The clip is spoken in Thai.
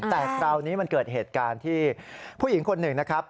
แต่คราวนี้มันเกิดเหตุการณ์ที่ผู้หญิงคนหนึ่งนะครับ